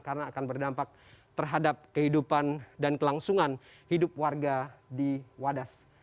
karena akan berdampak terhadap kehidupan dan kelangsungan hidup warga di wadas